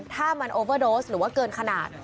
ถ้ามันโอเวอร์โดสหรือว่าเกินขนาด